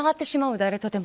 誰とでも。